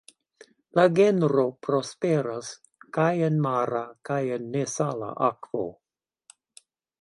La genro prosperas kaj en mara kaj en nesala akvo.